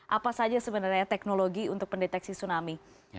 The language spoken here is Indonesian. apa saja sebenarnya teknologi untuk pendeteksi tsunami